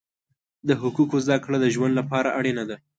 د حقوقو زده کړه د ژوند لپاره اړینه ده.